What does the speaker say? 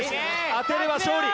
当てれば勝利！